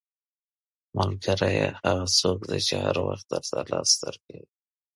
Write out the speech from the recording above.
• ملګری هغه څوک دی چې هر وخت درته لاس درکوي.